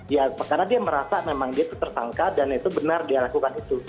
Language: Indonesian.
ya karena dia merasa memang dia tersangka dan itu benar dia lakukan itu